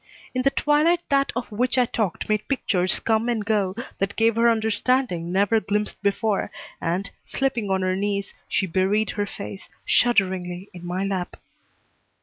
In the twilight that of which I talked made pictures come and go that gave her understanding never glimpsed before, and, slipping on her knees, she buried her face, shudderingly, in my lap.